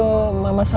udah kering kok